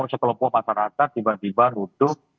sekelompok masyarakat tiba tiba runtuh